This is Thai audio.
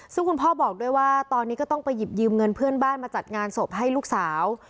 ซึ่งคุณพ่อบอกด้วยว่าตอนนี้ก็ต้องไปหยิบยืมเงินเพื่อนบ้านมาจัดงานศพให้ลูกสาว